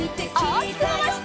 おおきくまわして。